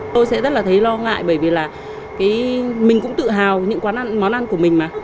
tôi sẽ rất là thấy lo ngại bởi vì là mình cũng tự hào những quán ăn món ăn của mình mà